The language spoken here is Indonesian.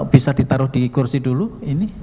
bisa ditaruh di kursi dulu ini